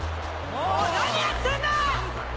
「もう何やってんだ！」